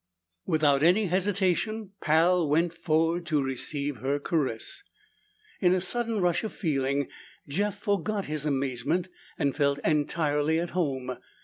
Without any hesitation, Pal went forward to receive her caress. In a sudden rush of feeling, Jeff forgot his amazement and felt entirely at home.